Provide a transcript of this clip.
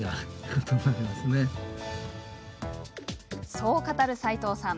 そう語る齋藤さん。